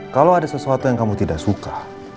kalau ada sesuatu yang kamu tidak suka